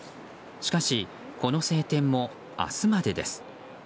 しかし、この晴天も明日までです。